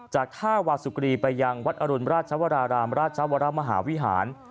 จากท่าวาสุกรีไปยังวัดอรุณราชวรารามราชวรมหาวิหาร